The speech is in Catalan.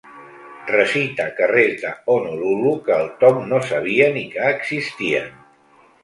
Recita carrers de Honolulu que el Tom no sabia ni que existien.